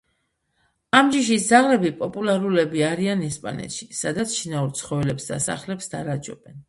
ამ ჯიშის ძაღლები პოპულარულები არიან ესპანეთში, სადაც შინაურ ცხოველებს და სახლებს დარაჯობენ.